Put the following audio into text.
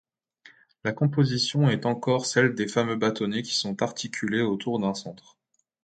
La composition est encore celle des fameux bâtonnets qui sont articulés autour d'un centre.